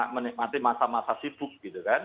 menikmati masa masa sibuk gitu kan